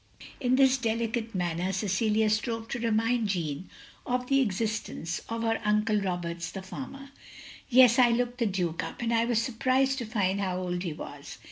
In this delicate manner Cecilia strove to remind Jeanne of the existence of her uncle Roberts the farmer. " Yes, I looked the Duke up, and I was surprised to find how old he was.